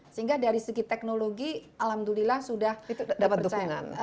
sehingga dari segi teknologi alhamdulillah sudah dapat bersaingan